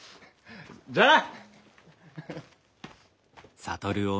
じゃあな！